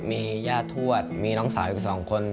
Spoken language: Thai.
มีญาติรวรรดิมีน้องสาวอีก๒คน